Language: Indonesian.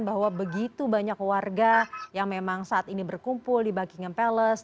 bahwa begitu banyak warga yang memang saat ini berkumpul di buckingham palace